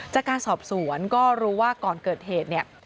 จากการสอบสวนก็รู้ว่าก่อนเกิดเหตุเนี่ย